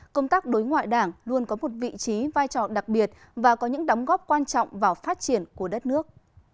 công tác đối ngoại đảng luôn có một vị trí vai trò đặc biệt và có những đóng góp quan trọng vào phát triển của đất nước